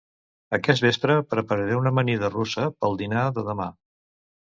Aquest vespre prepararé una amanida russa pel dinar de demà